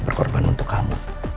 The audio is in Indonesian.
berkorban untuk kamu